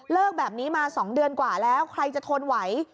แบบนี้มา๒เดือนกว่าแล้วใครจะทนไหว